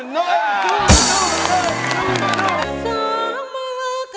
หน่อยสู้